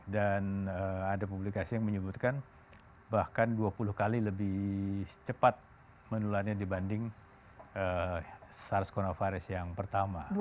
dan ada publikasi yang menyebutkan bahkan dua puluh kali lebih cepat menularnya dibanding sars cov dua yang pertama